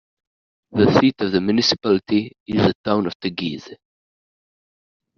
The seat of the municipality is the town of Teguise.